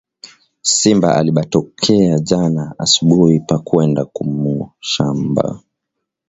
Simba alibatokea jana asubui pa kwenda kumashamba